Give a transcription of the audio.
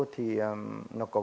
thì nó có thể